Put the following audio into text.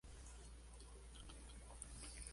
Tan cerca...